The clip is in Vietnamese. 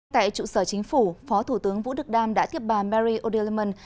tại trụ sở chính phủ phó thủ tướng vũ đức đam đã thiệp bà mary o delliman